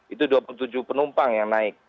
itu dua puluh tujuh penumpang yang naik